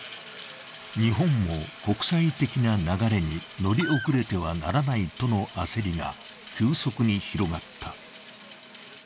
日本も国際的な流れに乗り遅れてはならないとの焦りが急速に広がった。